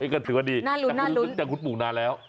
ก็ถือว่าดีแต่คุณปลูกนานแล้ว